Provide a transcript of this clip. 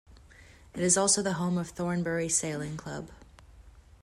It is also the home of Thornbury Sailing Club.